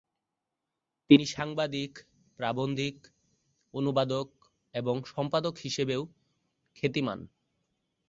তিনি সাংবাদিক, প্রাবন্ধিক, অনুবাদক এবং সম্পাদক হিসাবেও খ্যাতিমান।